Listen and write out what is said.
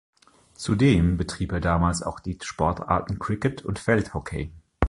Zudem betrieb er damals auch die Sportarten Cricket und Feldhockey.